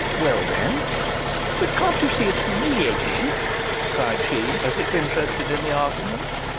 "Well then " "But can't you see it's humiliating?" cried she, as if interested in the argument.